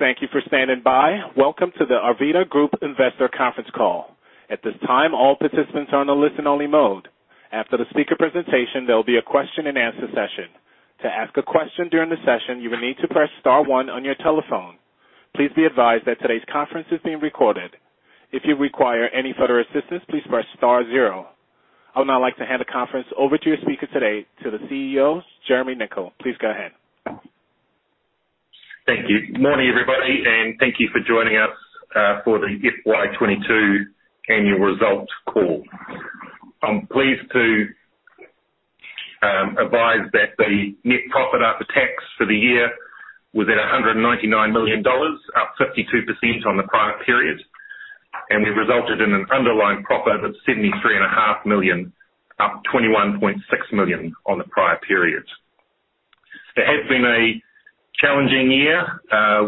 Good day, and thank you for standing by. Welcome to the Arvida Group Investor Conference Call. At this time, all participants are on a listen-only mode. After the speaker presentation, there'll be a question-and-answer session. To ask a question during the session, you will need to press star one on your telephone. Please be advised that today's conference is being recorded. If you require any further assistance, please press star zero. I would now like to hand the conference over to your speaker today, to the CEO, Jeremy Nicoll. Please go ahead. Thank you. Morning, everybody, and thank you for joining us for the FY 2022 annual results call. I'm pleased to advise that the net profit after tax for the year was 199 million dollars, up 52% on the prior period. We resulted in an underlying profit of 73.5 million, up 21.6 million on the prior period. It has been a challenging year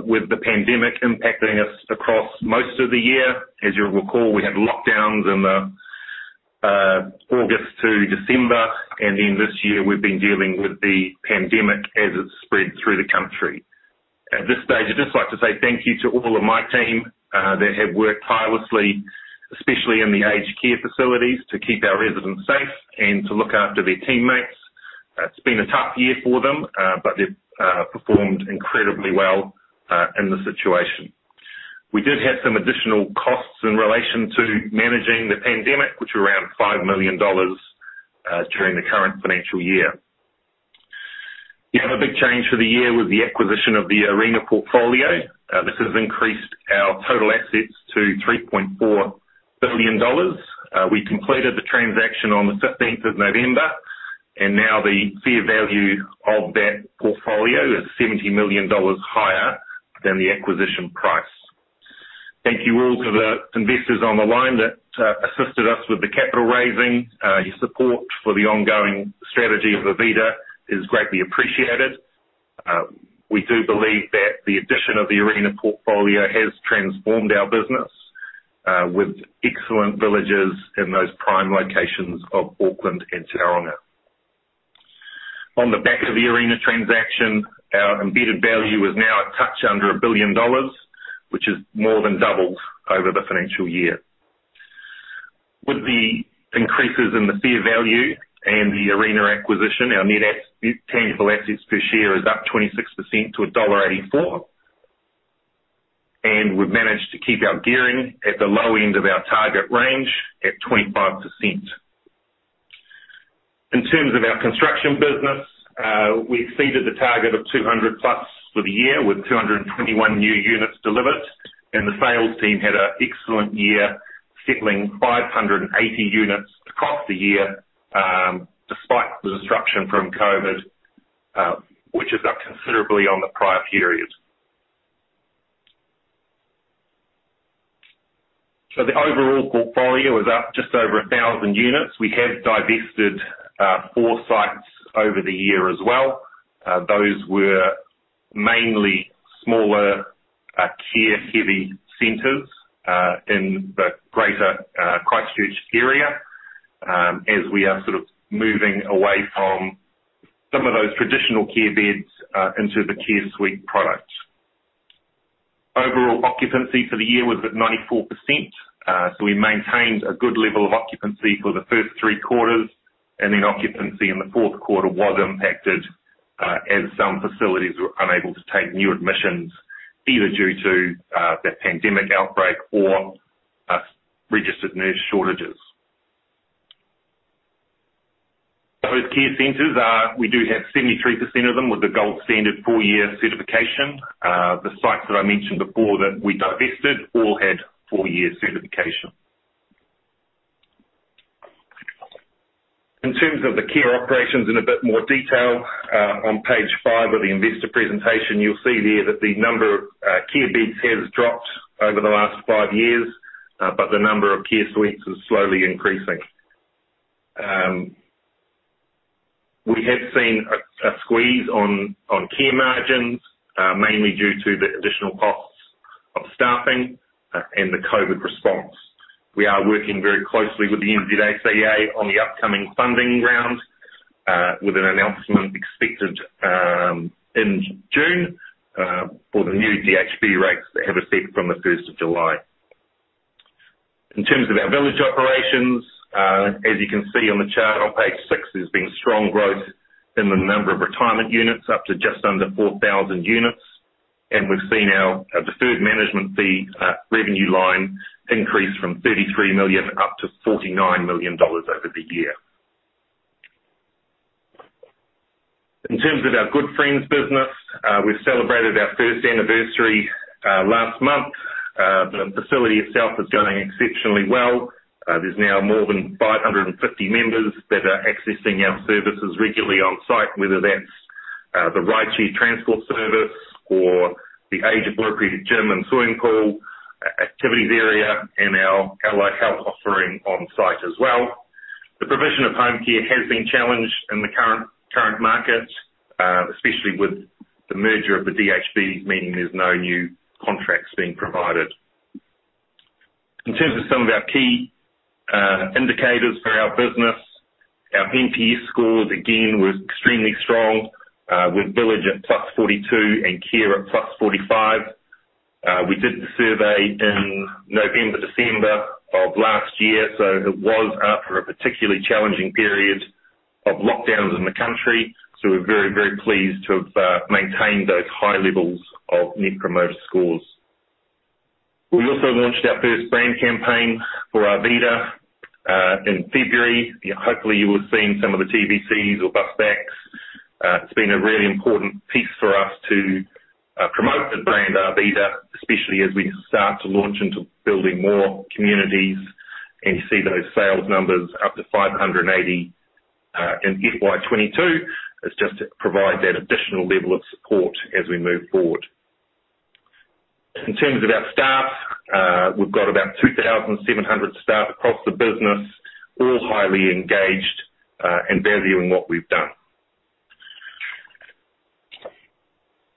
with the pandemic impacting us across most of the year. As you'll recall, we had lockdowns in August-December, and then this year we've been dealing with the pandemic as it spread through the country. At this stage, I'd just like to say thank you to all of my team that have worked tirelessly, especially in the aged care facilities, to keep our residents safe and to look after their teammates. It's been a tough year for them, but they've performed incredibly well in the situation. We did have some additional costs in relation to managing the pandemic, which were around 5 million dollars during the current financial year. The other big change for the year was the acquisition of the Arena Living portfolio. This has increased our total assets to 3.4 billion dollars. We completed the transaction on the November 15th, and now the fair value of that portfolio is 70 million dollars higher than the acquisition price. Thank you all to the investors on the line that assisted us with the capital raising. Your support for the ongoing strategy of Arvida is greatly appreciated. We do believe that the addition of the Arena Living portfolio has transformed our business, with excellent villages in those prime locations of Auckland and Tauranga. On the back of the Arena Living transaction, our embedded value is now a touch under 1 billion dollars, which has more than doubled over the financial year. With the increases in the fair value and the Arena Living acquisition, our net tangible assets per share is up 26% to dollar 1.84. We've managed to keep our gearing at the low end of our target range at 25%. In terms of our construction business, we exceeded the target of 200+ for the year with 221 new units delivered. The sales team had an excellent year settling 580 units across the year, despite the disruption from COVID, which is up considerably on the prior period. The overall portfolio is up just over 1,000 units. We have divested four sites over the year as well. Those were mainly smaller, care-heavy centers in the greater Christchurch area, as we are sort of moving away from some of those traditional care beds into the care suite products. Overall occupancy for the year was at 94%. We maintained a good level of occupancy for the first three quarters, and then occupancy in the fourth quarter was impacted, as some facilities were unable to take new admissions, either due to the pandemic outbreak or registered nurse shortages. Those care centers, we do have 73% of them with the gold standard four-year certification. The sites that I mentioned before that we divested all had four-year certification. In terms of the care operations in a bit more detail, on page five of the investor presentation, you'll see there that the number of care beds has dropped over the last five years, but the number of care suites is slowly increasing. We have seen a squeeze on care margins, mainly due to the additional costs of staffing and the COVID response. We are working very closely with the NZACA on the upcoming funding round, with an announcement expected in June for the new DHB rates that have effect from the first of July. In terms of our village operations, as you can see on the chart on page 6, there's been strong growth in the number of retirement units up to just under 4,000 units. We've seen our deferred management fee revenue line increase from NZD 33 million up to NZD 49 million over the year. In terms of our Good Friends business, we celebrated our first anniversary last month. The facility itself is going exceptionally well. There's now more than 550 members that are accessing our services regularly on site, whether that's the ride share transport service or the age-appropriate gym and swimming pool, activities area, and our Allied Health offering on site as well. The provision of home care has been challenged in the current market, especially with the merger of the DHB, meaning there's no new contracts being provided. In terms of some of our key indicators for our business, our NPS scores, again, were extremely strong, with Village at +42 and Care at +45. We did the survey in November, December of last year, so it was after a particularly challenging period of lockdowns in the country. We're very, very pleased to have maintained those high levels of net promoter scores. We also launched our first brand campaign for Arvida in February. Hopefully, you will have seen some of the TVCs or bus backs. It's been a really important piece for us to promote the brand Arvida, especially as we start to launch into building more communities and see those sales numbers up to 580 in FY 2022. It's just to provide that additional level of support as we move forward. In terms of our staff, we've got about 2,700 staff across the business, all highly engaged and valuing what we've done.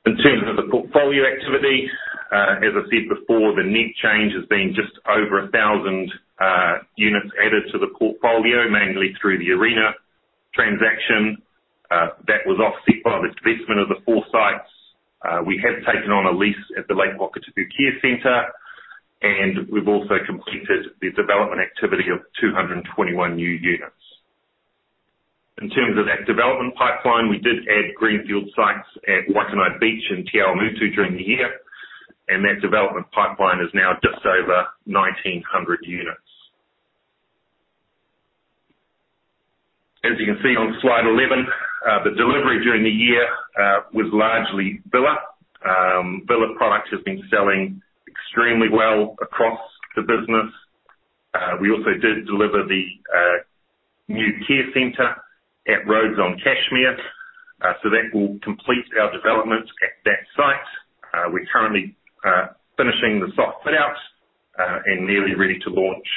In terms of the portfolio activity, as I said before, the net change has been just over 1,000 units added to the portfolio, mainly through the Arena transaction. That was offset by the divestment of the four sites. We have taken on a lease at the Lake Waikaremoana Care Center, and we've also completed the development activity of 221 new units. In terms of that development pipeline, we did add greenfield sites at Waikanae Beach and Te Awamutu during the year, and that development pipeline is now just over 1,900 units. As you can see on slide 11, the delivery during the year was largely villa. Villa product has been selling extremely well across the business. We also did deliver the new care center at Rhodes on Cashmere, so that will complete our development at that site. We're currently finishing the soft fit-out and nearly ready to launch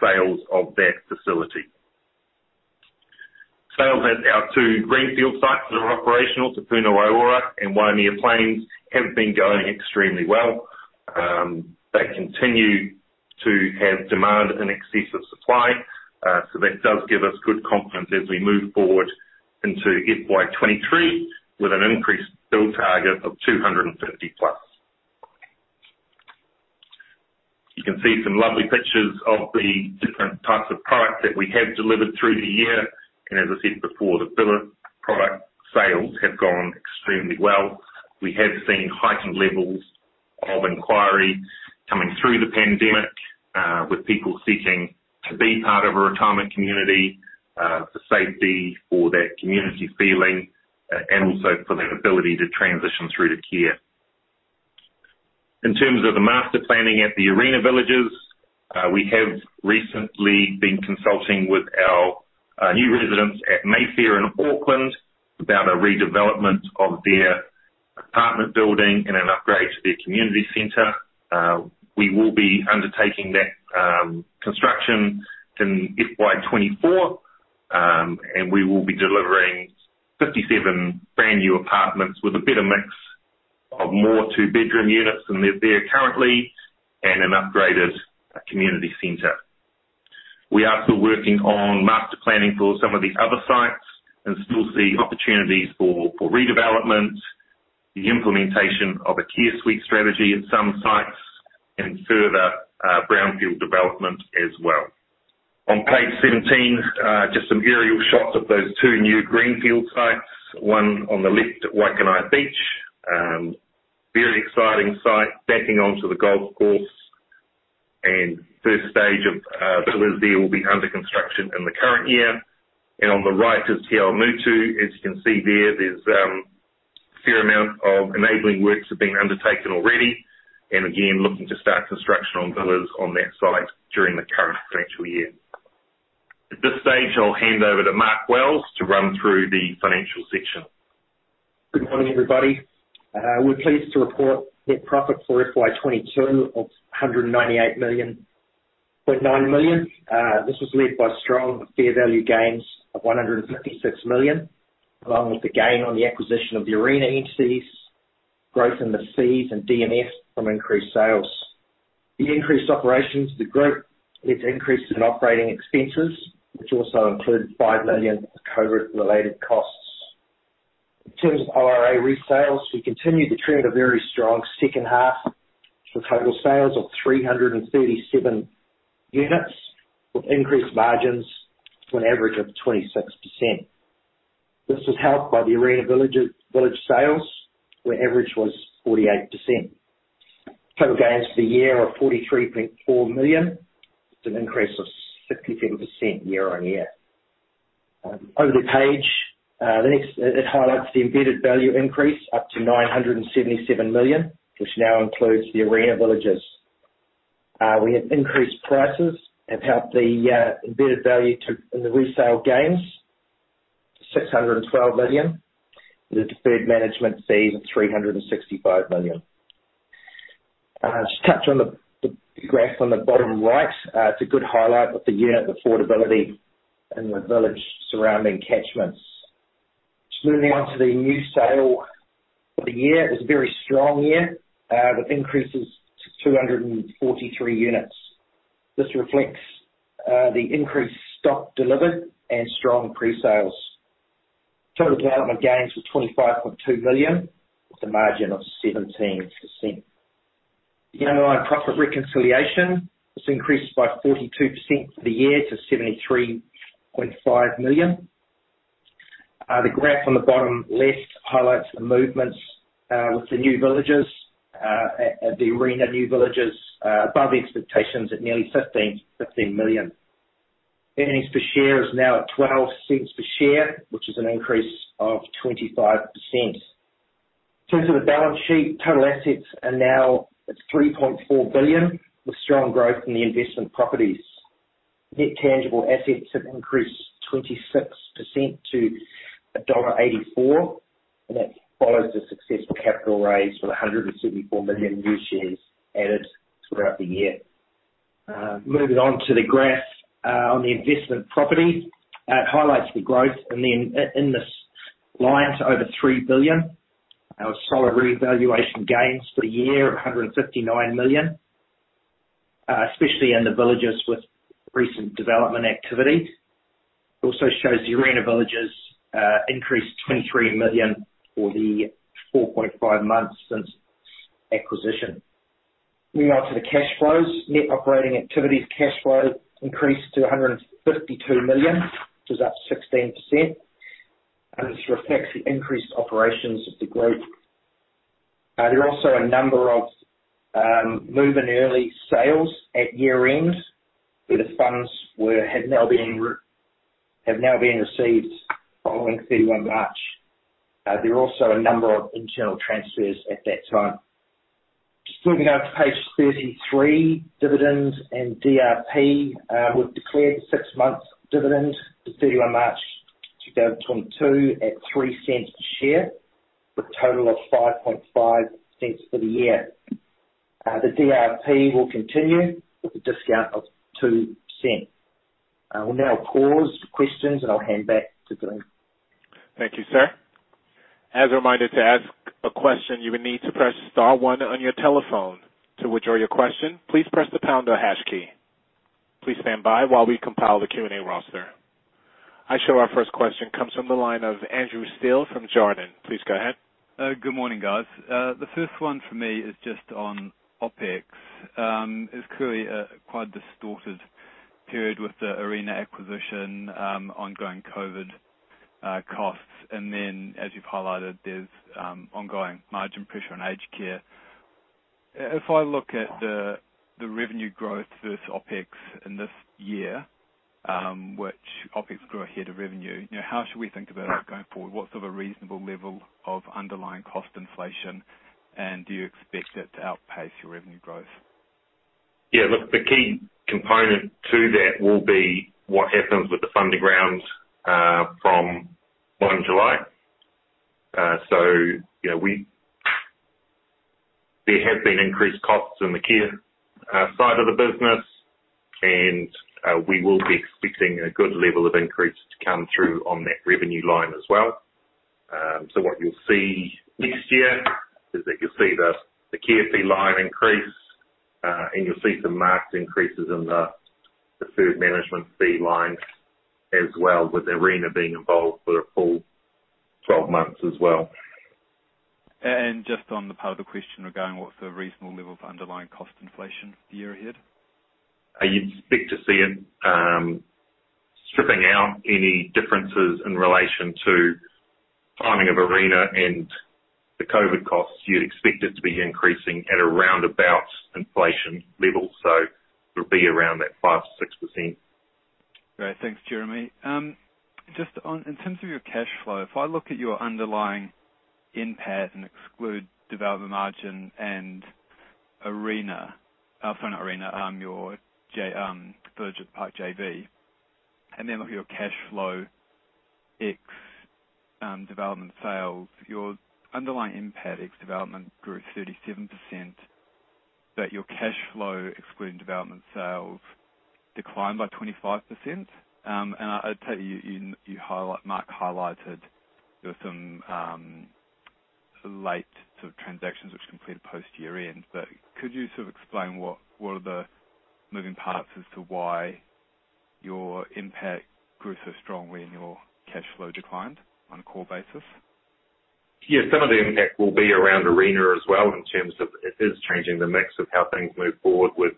sales of that facility. Sales at our two greenfield sites that are operational, Te Puna Waiora and Waimea Plains, have been going extremely well. They continue to have demand in excess of supply, so that does give us good confidence as we move forward into FY 2023 with an increased build target of 250+. You can see some lovely pictures of the different types of products that we have delivered through the year. As I said before, the villa product sales have gone extremely well. We have seen heightened levels of inquiry coming through the pandemic, with people seeking to be part of a retirement community, for safety, for that community feeling, and also for that ability to transition through to care. In terms of the master planning at the Arena Living, we have recently been consulting with our new residents at Mayfair in Auckland about a redevelopment of their apartment building and an upgrade to their community center. We will be undertaking that construction in FY 2024. We will be delivering 57 brand-new apartments with a better mix of more two-bedroom units than there currently, and an upgraded community center. We are still working on master planning for some of the other sites and still see opportunities for redevelopment, the implementation of a care suite strategy at some sites and further brownfield development as well. On page 17, just some aerial shots of those two new greenfield sites, one on the left at Waikanae Beach. Very exciting site backing onto the golf course. First stage of villas there will be under construction in the current year. On the right is Te Awamutu. As you can see there's a fair amount of enabling works have been undertaken already. Again, looking to start construction on villas on that site during the current financial year. At this stage, I'll hand over to Mark Wells to run through the financial section. Good morning, everybody. We're pleased to report net profit for FY 2022 of NZD 98.9 million. This was led by strong fair value gains of NZD 156 million, along with the gain on the acquisition of the Arena entities, growth in the fees and DMS from increased sales. The increased operations, the growth is increased in operating expenses, which also includes NZD 5 million of COVID-related costs. In terms of ORA resales, we continued the trend of very strong second half with total sales of 337 units with increased margins to an average of 26%. This was helped by the Arena Villages village sales, where average was 48%. Total gains for the year are 43.4 million. It's an increase of 67% year-over-year. Over the page, it highlights the embedded value increase up to 977 million, which now includes the Arena Living. We have increased prices and helped the embedded value to the resale gains, 612 million, with deferred management fees of 365 million. Just touch on the graph on the bottom right. It's a good highlight of the unit affordability in the village surrounding catchments. Just moving on to the new sale for the year. It was a very strong year, with increases to 243 units. This reflects the increased stock delivered and strong pre-sales. Total development gains was 25.2 million with a margin of 17%. The underlying profit reconciliation has increased by 42% for the year to 73.5 million. The graph on the bottom left highlights the movements with the new villages at Arena Living above expectations at nearly 15 million. Earnings per share is now at 0.12 per share, which is an increase of 25%. In terms of the balance sheet, total assets are now at 3.4 billion with strong growth in the investment properties. Net tangible assets have increased 26% to dollar 1.84, and that follows the successful capital raise with 174 million new shares added throughout the year. Moving on to the graph on the investment property highlights the growth and then in this line to over 3 billion. Our solid revaluation gains for the year of 159 million, especially in the villages with recent development activity. It also shows the Arena villages increased 23 million for the 4.5 months since acquisition. Moving on to the cash flows. Net operating activities cash flow increased to 152 million, which is up 16%, and this reflects the increased operations of the group. There are also a number of move-in early sales at year-end, where the funds have now been received following March 31. There are also a number of internal transfers at that time. Just flipping over to page 33, dividends and DRP. We've declared the six months dividend to March 31 2022 at 0.03 cents per share with a total of 5.5 cents for the year. The DRP will continue with a discount of 2%. We'll now pause for questions, and I'll hand back to Glenn. Thank you, sir. As a reminder to ask a question, you will need to press star one on your telephone. To withdraw your question, please press the pound or hash key. Please stand by while we compile the Q&A roster. Our first question comes from the line of Andrew Steele from Jarden. Please go ahead. Good morning, guys. The first one for me is just on OpEx. It was clearly a quite distorted period with the Arena acquisition, ongoing COVID, costs. As you've highlighted, there's ongoing margin pressure on aged care. If I look at the revenue growth versus OpEx in this year, which OpEx grew ahead of revenue, you know, how should we think about it going forward? What sort of a reasonable level of underlying cost inflation, and do you expect it to outpace your revenue growth? Yeah. Look, the key component to that will be what happens with the funding round from July 1. You know, there have been increased costs in the care side of the business, and we will be expecting a good level of increase to come through on that revenue line as well. What you'll see next year is that you'll see the care fee line increase, and you'll see some marked increases in the deferred management fee line as well, with Arena being involved for a full 12 months as well. Just on the part of the question regarding what's a reasonable level of underlying cost inflation for the year ahead. You'd expect to see it, stripping out any differences in relation to timing of Arena and the COVID costs. You'd expect it to be increasing at around about inflation levels, so it'll be around that 5%-6%. Great. Thanks, Jeremy. Just on, in terms of your cash flow, if I look at your underlying NPAT and exclude developer margin and, sorry, not Arena, your Verge Park JV, and then look at your cash flow ex development sales. Your underlying NPAT ex development grew 37%, but your cash flow excluding development sales declined by 25%. I take it Mark highlighted there were some late sort of transactions which completed post year-end. Could you sort of explain what are the moving parts as to why your NPAT grew so strongly and your cash flow declined on a core basis? Yeah. Some of the impact will be around Arena as well in terms of it is changing the mix of how things move forward with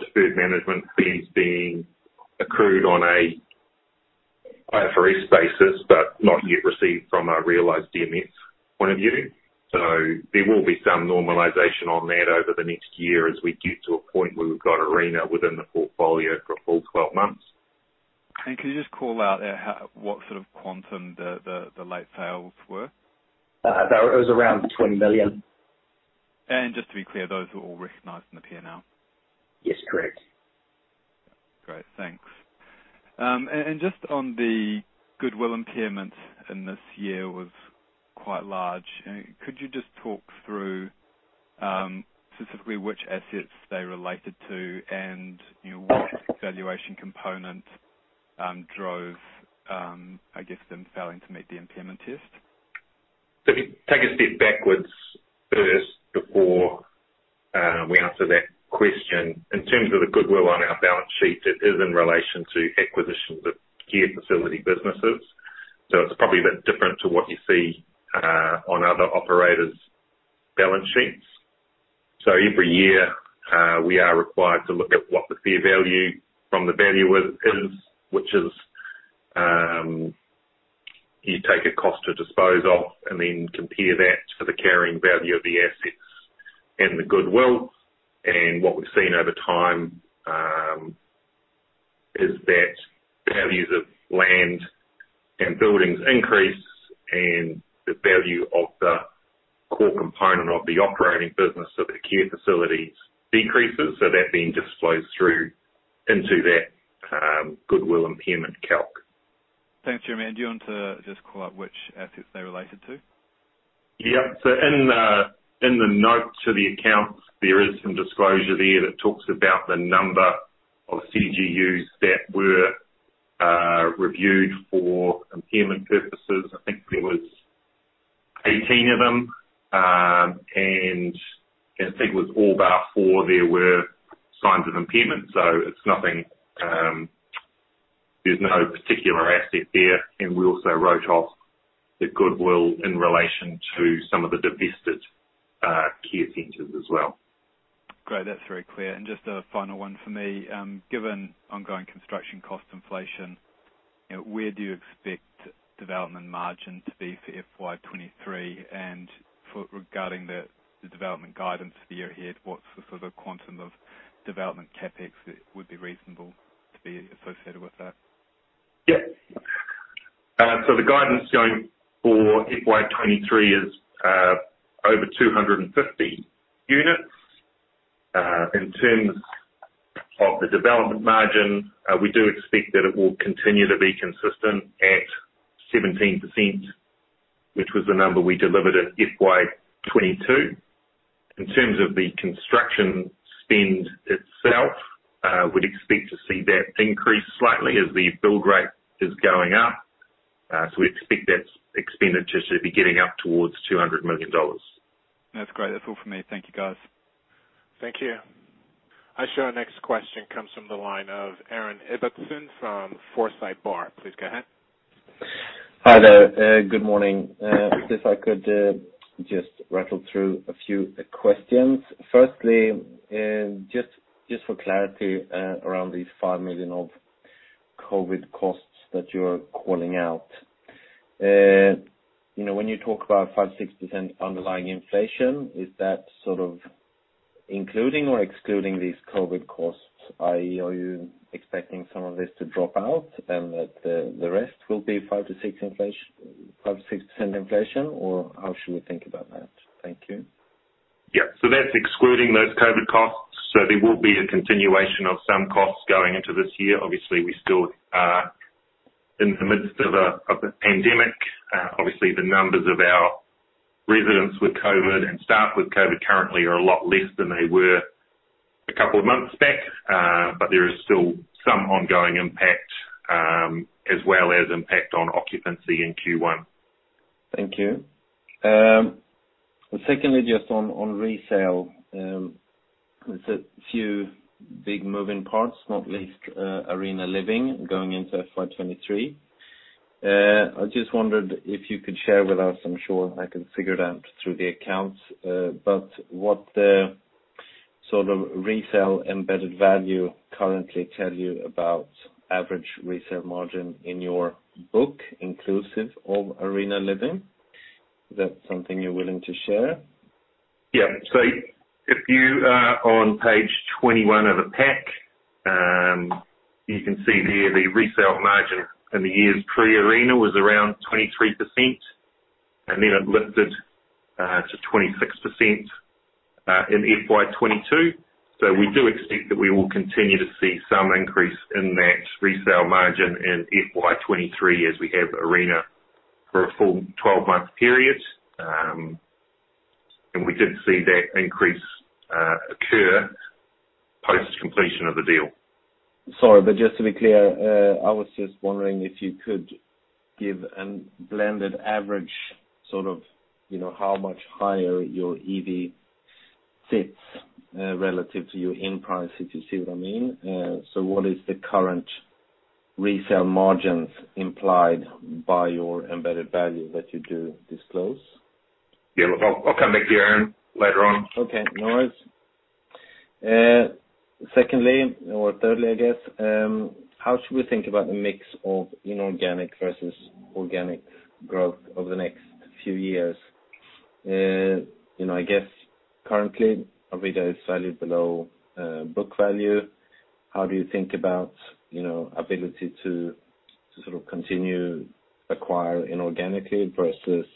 deferred management fees being accrued on a IFRS basis, but not yet received from a realized DMS point of view. There will be some normalization on that over the next year as we get to a point where we've got Arena within the portfolio for a full 12 months. Can you just call out what sort of quantum the late sales were? That was around 20 million. Just to be clear, those were all recognized in the P&L? Yes, correct. Great. Thanks. Just on the goodwill impairment in this year was quite large. Could you just talk through specifically which assets they're related to and, you know, what valuation component drove, I guess, them failing to meet the impairment test? If you take a step backwards first before we answer that question. In terms of the goodwill on our balance sheet, it is in relation to acquisitions of care facility businesses. It's probably a bit different to what you see on other operators' balance sheets. Every year we are required to look at what the fair value from the value is. Which is you take a cost to dispose of and then compare that to the carrying value of the assets and the goodwill. What we've seen over time is that values of land and buildings increase and the value of the core component of the operating business of the care facilities decreases. That then just flows through into that goodwill impairment calc. Thanks, Jeremy. Do you want to just call out which assets they're related to? In the note to the accounts, there is some disclosure there that talks about the number of CGUs that were reviewed for impairment purposes. I think there was 18 of them. I think it was all bar four there were signs of impairment. It's nothing, there's no particular asset there. We also wrote off the goodwill in relation to some of the divested care centers as well. Great. That's very clear. Just a final one for me. Given ongoing construction cost inflation, where do you expect development margin to be for FY 2023? For the development guidance for the year ahead, what's the sort of quantum of development CapEx that would be reasonable to be associated with that? Yeah. The guidance going for FY 2023 is over 250 units. In terms of the development margin, we do expect that it will continue to be consistent at 17%, which was the number we delivered at FY 2022. In terms of the construction spend itself, we'd expect to see that increase slightly as the build rate is going up. We expect that expenditure to be getting up towards 200 million dollars. That's great. That's all for me. Thank you, guys. Thank you. Our next question comes from the line of Aaron Ibbotson from Forsyth Barr. Please go ahead. Hi there. Good morning. If I could just rattle through a few questions. Firstly, just for clarity, around these 5 million of COVID costs that you're calling out. You know, when you talk about 5%-6% underlying inflation, is that sort of including or excluding these COVID costs? Are you expecting some of this to drop out and that the rest will be 5%-6% inflation, or how should we think about that? Thank you. Yeah. That's excluding those COVID costs. There will be a continuation of some costs going into this year. Obviously, we still are in the midst of the pandemic. Obviously, the numbers of our residents with COVID and staff with COVID currently are a lot less than they were a couple of months back. There is still some ongoing impact, as well as impact on occupancy in Q1. Thank you. Secondly, just on resale, there's a few big moving parts, not least, Arena Living going into FY 2023. I just wondered if you could share with us, I'm sure I can figure it out through the accounts, but what the sort of resale embedded value currently tell you about average resale margin in your book, inclusive of Arena Living? Is that something you're willing to share? Yeah. If you on page 21 of the pack, you can see there the resale margin in the years pre-Arena was around 23%, and then it lifted to 26% in FY 2022. We do expect that we will continue to see some increase in that resale margin in FY 2023 as we have Arena for a full 12-month period. We did see that increase occur post-completion of the deal. Sorry, but just to be clear, I was just wondering if you could give a blended average, sort of, you know, how much higher your EV sits relative to your NAV price, if you see what I mean. What is the current resale margins implied by your embedded value that you do disclose? Yeah. I'll come back to you, Aaron, later on. Okay, no worries. Secondly or thirdly, I guess, how should we think about the mix of inorganic versus organic growth over the next few years? You know, I guess currently, Arvida is slightly below book value. How do you think about, you know, ability to sort of continue acquire inorganically versus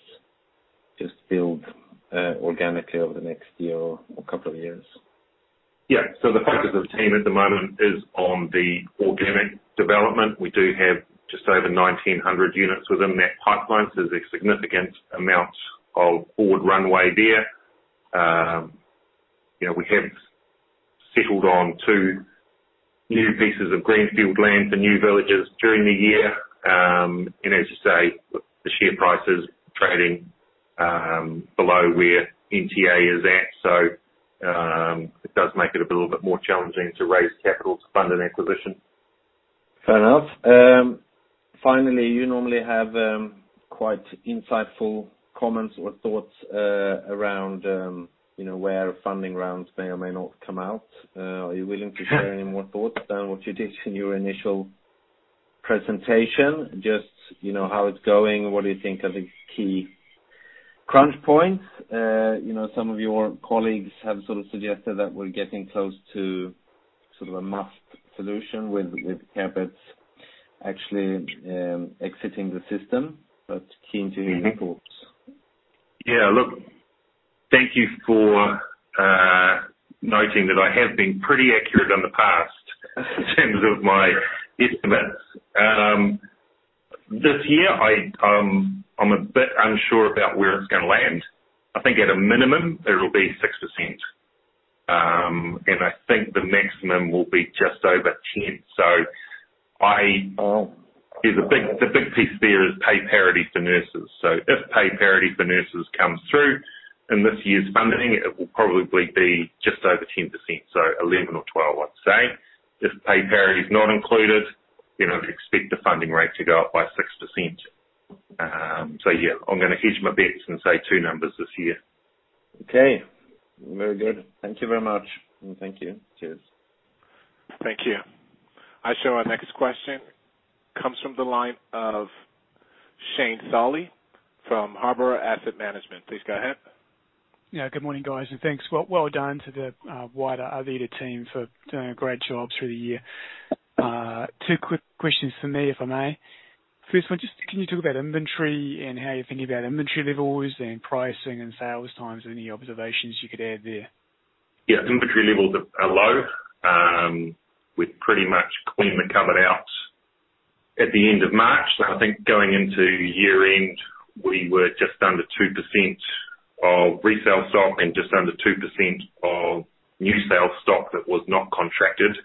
just build organically over the next year or a couple of years? Yeah. The focus of the team at the moment is on the organic development. We do have just over 1,900 units within that pipeline, so there's a significant amount of broad runway there. We have settled on two new pieces of greenfield land for new villages during the year. As you say, with the share prices trading below where NTA is at. It does make it a little bit more challenging to raise capital to fund an acquisition. Fair enough. Finally, you normally have quite insightful comments or thoughts around, you know, where funding rounds may or may not come out. Are you willing to share any more thoughts than what you did in your initial presentation? Just, you know, how it's going, what do you think are the key crunch points? You know, some of your colleagues have sort of suggested that we're getting close to sort of a must solution with CapEx actually exiting the system, but keen to hear your thoughts. Yeah. Look, thank you for noting that I have been pretty accurate in the past in terms of my estimates. This year, I'm a bit unsure about where it's gonna land. I think at a minimum it'll be 6%. I think the maximum will be just over 10%. Oh. The big piece there is pay parity for nurses. If pay parity for nurses comes through in this year's funding, it will probably be just over 10%, so 11 or 12, I'd say. If pay parity is not included, you know, expect the funding rate to go up by 6%. Yeah, I'm gonna hedge my bets and say two numbers this year. Okay. Very good. Thank you very much. Thank you. Cheers. Thank you. Our next question comes from the line of Shane Solly from Harbour Asset Management. Please go ahead. Yeah. Good morning, guys, and thanks. Well, well done to the wider Arvida team for doing a great job through the year. Two quick questions from me, if I may. First one, just can you talk about inventory and how you're thinking about inventory levels and pricing and sales times and any observations you could add there? Yeah. Inventory levels are low. We pretty much cleaned the cupboard out at the end of March. I think going into year-end, we were just under 2% of resale stock and just under 2% of new sale stock that was not contracted.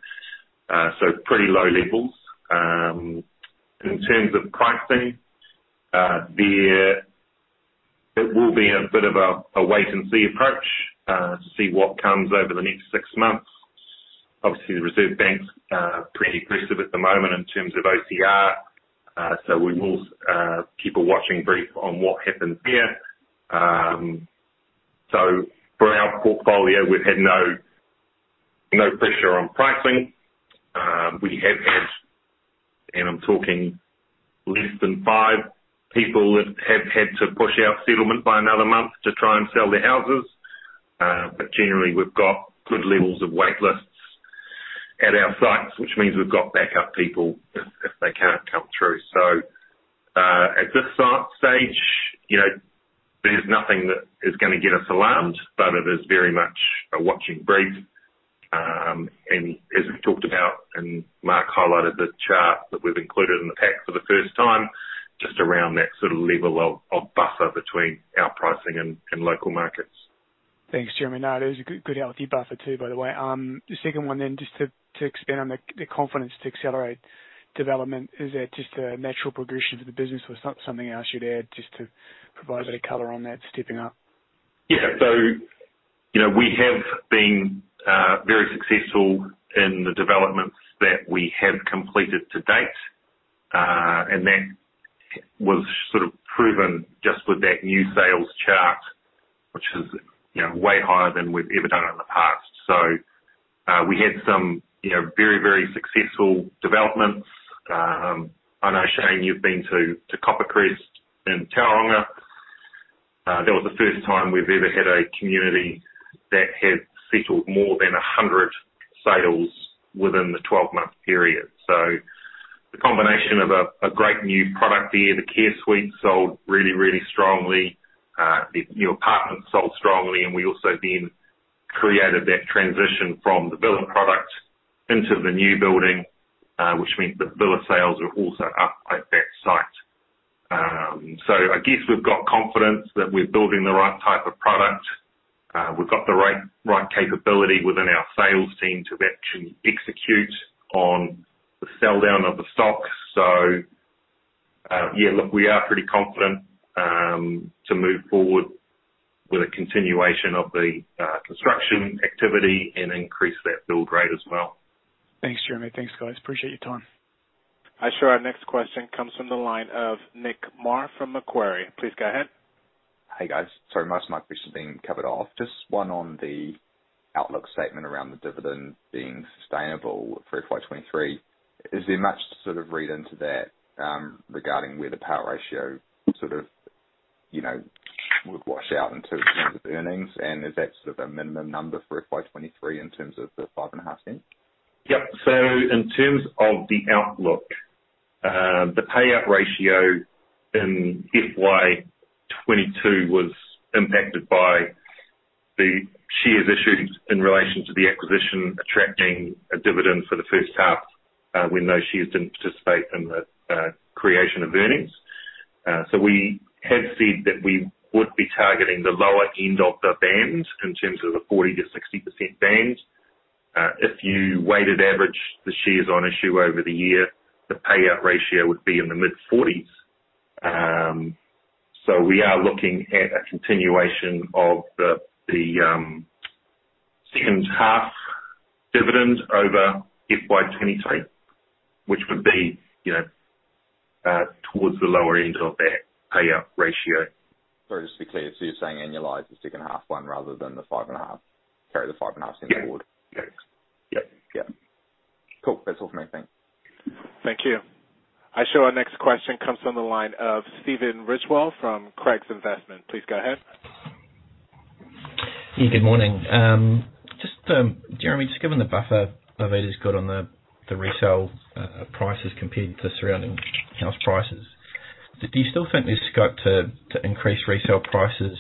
Pretty low levels. In terms of pricing, there it will be a bit of a wait and see approach to see what comes over the next six months. Obviously, the Reserve Bank's pretty aggressive at the moment in terms of OCR. We will keep a watching brief on what happens there. For our portfolio, we've had no pressure on pricing. We have had, and I'm talking less than five people that have had to push out settlement by another month to try and sell their houses. Generally we've got good levels of wait lists at our sites, which means we've got backup people if they can't come through. At this stage, you know, there's nothing that is gonna get us alarmed, but it is very much a watching brief. As we've talked about, Mark highlighted the chart that we've included in the pack for the first time, just around that sort of level of buffer between our pricing and local markets. Thanks, Jeremy. Now, there's a good healthy buffer too, by the way. The second one, just to expand on the confidence to accelerate development, is that just a natural progression to the business or is something else you'd add just to provide a bit of color on that stepping up? Yeah. You know, we have been very successful in the developments that we have completed to date. That was sort of proven just with that new sales chart, which is, you know, way higher than we've ever done in the past. We had some, you know, very, very successful developments. I know, Shane, you've been to Copper Crest in Tauranga. That was the first time we've ever had a community that has settled more than 100 sales within the 12-month period. The combination of a great new product there, the care suite sold really, really strongly. The new apartments sold strongly, and we also then created that transition from the villa product into the new building, which means the villa sales are also up at that site. I guess we've got confidence that we're building the right type of product. We've got the right capability within our sales team to actually execute on the sell down of the stock. Yeah, look, we are pretty confident to move forward with a continuation of the construction activity and increase that build rate as well. Thanks, Jeremy. Thanks, guys. Appreciate your time. Our next question comes from the line of Nick Mar from Macquarie. Please go ahead. Hey, guys. Sorry, most of my questions have been covered off. Just one on the outlook statement around the dividend being sustainable for FY 2023. Is there much to sort of read into that regarding where the payout ratio sort of, you know, would wash out into terms of earnings? And is that sort of a minimum number for FY 2023 in terms of the 0.055? Yep. In terms of the outlook, the payout ratio in FY 2022 was impacted by the shares issued in relation to the acquisition attracting a dividend for the first half, when those shares didn't participate in the creation of earnings. We have said that we would be targeting the lower end of the band in terms of the 40%-60% band. If you weighted average the shares on issue over the year, the payout ratio would be in the mid-40s%. We are looking at a continuation of the second half dividend over FY 2022, which would be, you know, towards the lower end of that payout ratio. Sorry, just to be clear, you're saying annualize the second half 1 rather than the 0.055, carry the 0.055 forward? Yeah. Yeah. Yeah. Cool. That's all from me. Thank you. Thank you. Our next question comes from the line of Stephen Ridgewell from Craigs Investment Partners. Please go ahead. Yeah, good morning. Just, Jeremy Nicoll, just given the buffer Arvida's got on the resale prices compared to surrounding house prices, do you still think there's scope to increase resale prices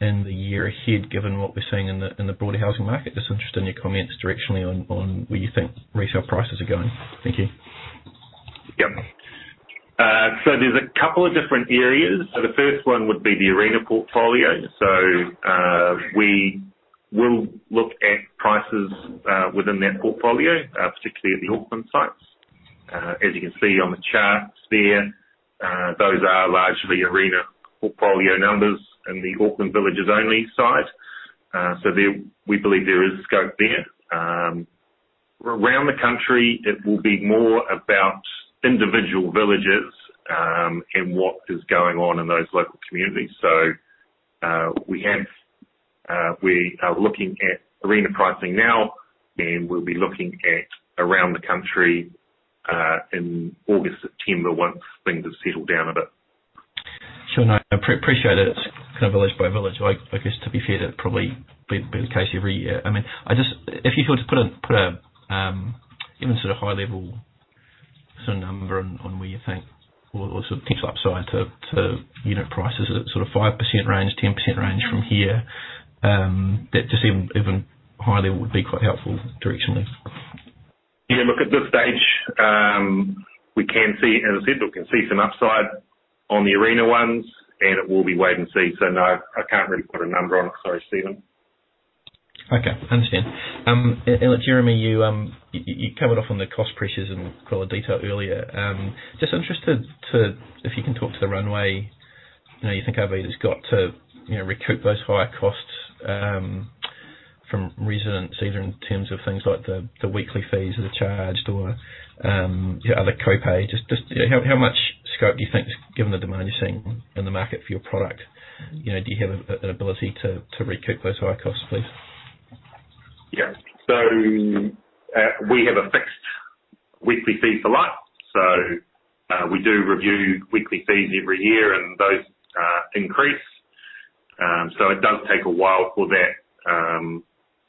in the year ahead, given what we're seeing in the broader housing market? Just interested in your comments directionally on where you think resale prices are going. Thank you. Yep. There's a couple of different areas. The first one would be the Arena portfolio. We will look at prices within that portfolio, particularly at the Auckland sites. As you can see on the charts there, those are largely Arena portfolio numbers in the Auckland villages only sites. There, we believe there is scope there. Around the country it will be more about individual villages, and what is going on in those local communities. We are looking at Arena pricing now, and we'll be looking around the country, in August, September, once things have settled down a bit. Sure. No, I appreciate it. It's kind of village by village. I guess to be fair, that'd probably be the case every year. I mean, I just if you could just put a even sort of high level sort of number on where you think or sort of potential upside to unit prices. Is it sort of 5% range, 10% range from here? That just even high level would be quite helpful directionally. Yeah, look, at this stage, as I said, we can see some upside on the Arena ones and it will be wait and see. No, I can't really put a number on it. Sorry, Stephen. Okay, understand. Look Jeremy, you covered off on the cost pressures in quite a lot of detail earlier. Just interested to. If you can talk to the runway, you know, you think Arvida's got to, you know, recoup those higher costs from residents, either in terms of things like the weekly fees that are charged or other copays. Just you know, how much scope do you think, given the demand you're seeing in the market for your product, you know, do you have an ability to recoup those higher costs, please? We have a fixed weekly fee for life. We do review weekly fees every year and those increase. It does take a while for that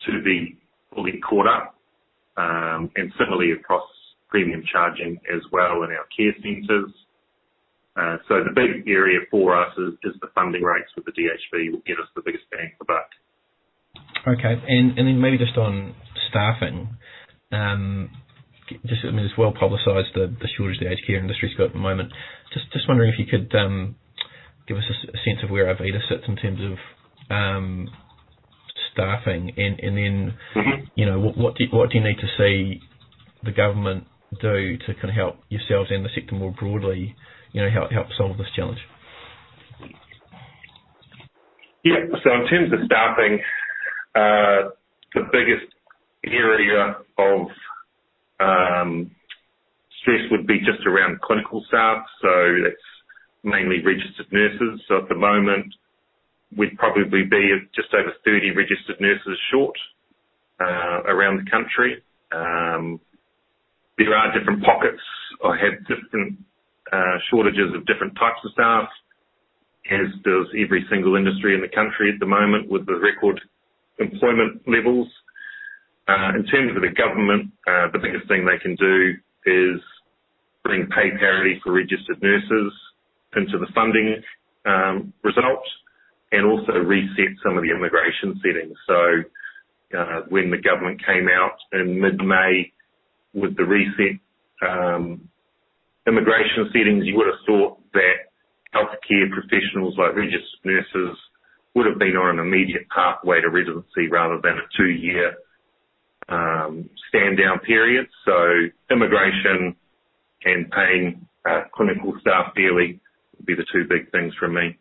to be fully caught up. Similarly across premium charging as well in our care centers. The big area for us is the funding rates with the DHB will get us the biggest bang for buck. Okay. Maybe just on staffing, I mean, it's well-publicized the shortage the aged care industry's got at the moment. Just wondering if you could give us a sense of where Arvida sits in terms of staffing. Mm-hmm. You know, what do you need to see the government do to kinda help yourselves and the sector more broadly, you know, help solve this challenge? Yeah. In terms of staffing, the biggest area of stress would be just around clinical staff. That's mainly registered nurses. At the moment we'd probably be at just over 30 registered nurses short around the country. There are different pockets or have different shortages of different types of staff, as does every single industry in the country at the moment with the record employment levels. In terms of the government, the biggest thing they can do is bring pay parity for registered nurses into the funding results and also reset some of the immigration settings. When the government came out in mid-May with the reset immigration settings, you would've thought that healthcare professionals like registered nurses would have been on an immediate pathway to residency rather than a two year stand down period. Immigration and paying our clinical staff fairly would be the two big things for me.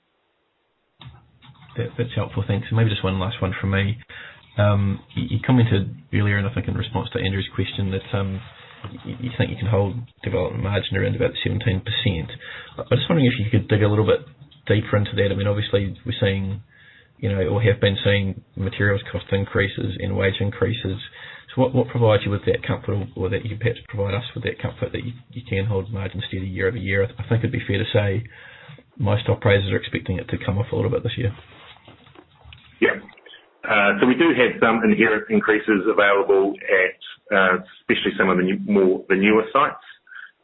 Yeah, that's helpful. Thanks. Maybe just one last one from me. You commented earlier, and I think in response to Andrew's question, that you think you can hold development margin around about 17%. I'm just wondering if you could dig a little bit deeper into that. I mean, obviously we're seeing, you know, or have been seeing materials cost increases and wage increases. What provides you with that comfort or that you can perhaps provide us with that comfort that you can hold margin steady year-over-year? I think it'd be fair to say most appraisers are expecting it to come off a little bit this year. Yeah. We do have some inherent increases available, especially at some of the newer sites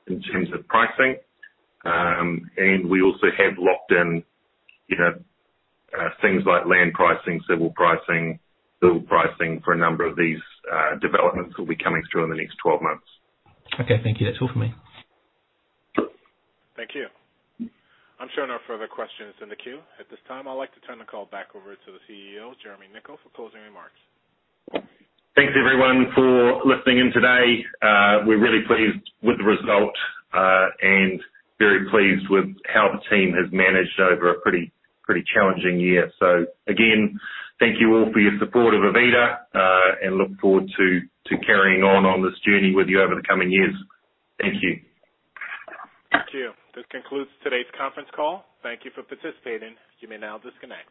in terms of pricing. We also have locked in, you know, things like land pricing, civil pricing, build pricing for a number of these developments that'll be coming through in the next 12 months. Okay, thank you. That's all for me. Thank you. I'm showing no further questions in the queue. At this time I'd like to turn the call back over to the CEO, Jeremy Nicoll, for closing remarks. Thanks everyone for listening in today. We're really pleased with the result, and very pleased with how the team has managed over a pretty challenging year. Again, thank you all for your support of Arvida, and look forward to carrying on this journey with you over the coming years. Thank you. Thank you. This concludes today's conference call. Thank you for participating. You may now disconnect.